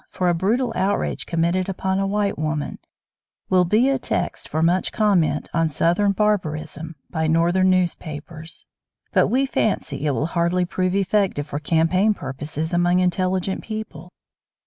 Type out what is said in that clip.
for a brutal outrage committed upon a white woman will be a text for much comment on "Southern barbarism" by Northern newspapers; but we fancy it will hardly prove effective for campaign purposes among intelligent people.